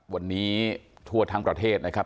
วันนี้ทั่วทั้งประเทศนะครับ